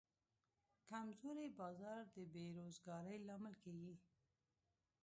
کمزوری بازار د بیروزګارۍ لامل کېږي.